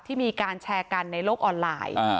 ที่มีการแชร์กันในโลกออนไลน์